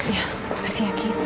iya makasih yakin